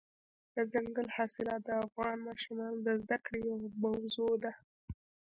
دځنګل حاصلات د افغان ماشومانو د زده کړې یوه موضوع ده.